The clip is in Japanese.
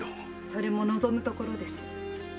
それも望むところです。